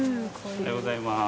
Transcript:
おはようございます。